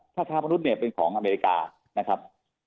ถ้าค้ามนุษย์เนี่ยเป็นของอเมริกานะครับ